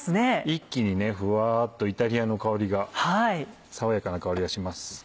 一気にふわっとイタリアの香りが爽やかな香りがします。